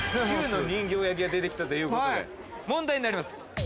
◆Ｑの人形焼が出てきたということで問題になります。